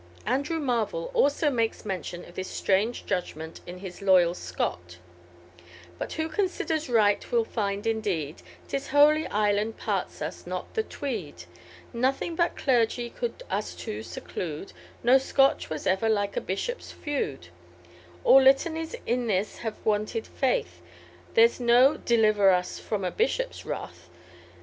" Andrew Marvel also makes mention of this strange judgment in his Loyal Scot: "But who considers right will find, indeed, 'Tis Holy Island parts us, not the Tweed. Nothing but clergy could us two seclude, No Scotch was ever like a bishop's feud. All Litanys in this have wanted faith, There's no _Deliver us from a Bishop's wrath.